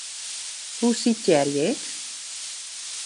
Hoe sitearje ik?